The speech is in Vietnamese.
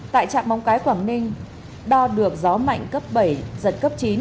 tại trạm mong cái quảng ninh đo được gió mạnh cấp bảy giật cấp chín